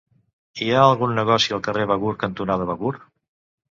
Hi ha algun negoci al carrer Begur cantonada Begur?